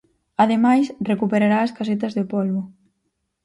Ademais, recuperará as casetas de polbo.